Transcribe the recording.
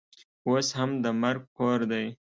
اوس هم د مرګ کور دی.